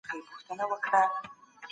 کمپيوټر حافظه تشوي.